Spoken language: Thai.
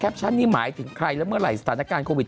นี้หมายถึงใครแล้วเมื่อไหร่สถานการณ์โควิด